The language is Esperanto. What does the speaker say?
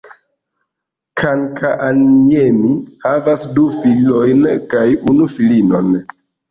Kankaanniemi havas du filojn kaj unu filinon.